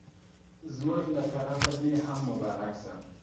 زموږ له طرفه دي هم مبارک سه